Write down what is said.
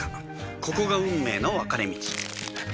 ここが運命の分かれ道